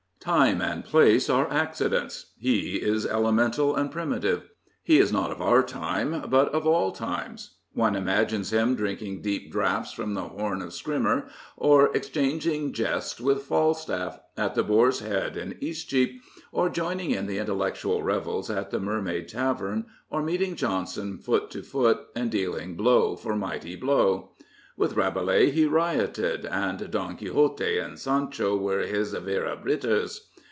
Time and place are accidents; he is elemen tal and primitive. He is not of our time, but of all times. One imagines him drinking deep draughts from the horn of Skrymir, or exchang ing jests with Falstaff at the Boar's Head in East cheap, or joining in the intellectual revels at the Mermaid Tavern, or meeting Johnson foot to foot and dealing blow for mighty blow. With Rabelais he rioted, and Don Quixote and Sancho were his " vera brithers."